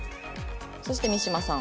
そして三島さん。